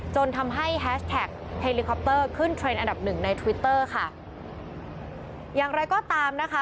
จนทำให้แฮชแท็กเฮลิคอปเตอร์ขึ้นเทรนด์อันดับหนึ่งในทวิตเตอร์ค่ะอย่างไรก็ตามนะคะ